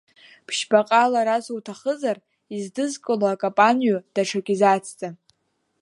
Ԥшьбаҟаларацуҭахызар, издызкыло акапанҩы даҽак изацҵа!